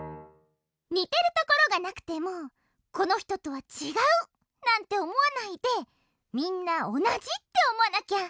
にてるところがなくても「このひととはちがう」なんておもわないで「みんなおなじ」っておもわなきゃ。